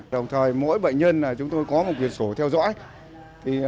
đồng thời mỗi bệnh nhân chúng tôi có một quyển sổ theo dõi